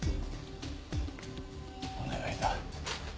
お願いだ。